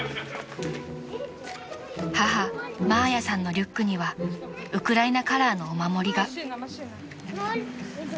［母マーヤさんのリュックにはウクライナカラーのお守りが］